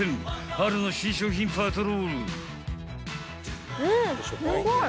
春の新商品パトロール。